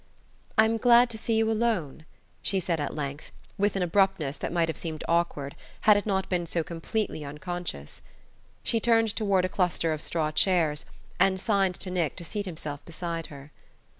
"I'm glad to see you alone," she said at length, with an abruptness that might have seemed awkward had it not been so completely unconscious. She turned toward a cluster of straw chairs, and signed to Nick to seat himself beside her.